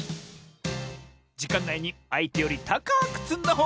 じかんないにあいてよりたかくつんだほうがかちサボよ！